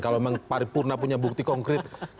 kalau memang paripurna punya bukti konkret